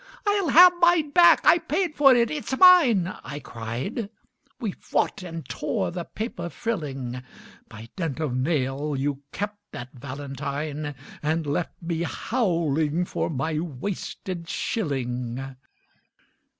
" I'll have mine back I paid for it it's mine !" I cried. We fought and tore the paper frilling. By dint of nail you kept that valentine, And left me howling for my wasted shilling.